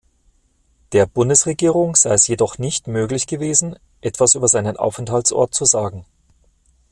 Der Bundesregierung sei es jedoch nicht möglich gewesen, etwas über seinen Aufenthaltsort zu sagen.